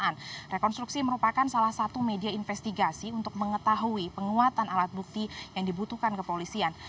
nah rekonstruksi merupakan salah satu media investigasi untuk mengetahui penguatan alat bukti yang dibutuhkan kepolisian